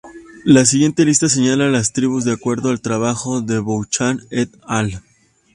La siguiente lista señala las tribus de acuerdo al trabajo de Bouchard "et al.